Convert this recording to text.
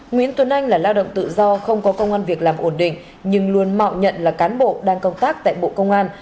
nguyễn tuấn anh là lao động tự do không có công an việc làm ổn định nhưng luôn mạo nhận là cán bộ đang công tác tại bộ công an